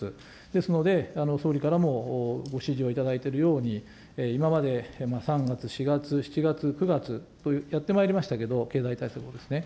ですので、総理からもご指示を頂いているように、今まで３月、４月、７月、９月とやってまいりましたけど、経済対策をですね。